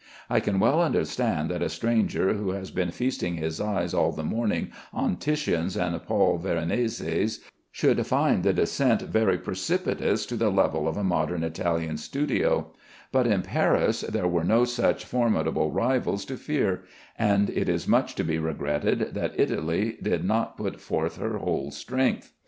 I can well understand that a stranger who has been feasting his eyes all the morning on Titians and Paul Veroneses, should find the descent very precipitous to the level of a modern Italian studio; but in Paris there were no such formidable rivals to fear, and it is much to be regretted that Italy did not put forth her whole strength.